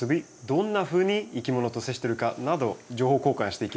どんなふうにいきものと接してるかなど情報交換していきます。